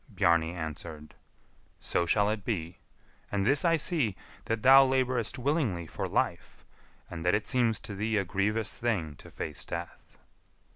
Bjarni answered, "So shall it be; and this I see, that thou labourest willingly for life, and that it seems to thee a grievous thing to face death."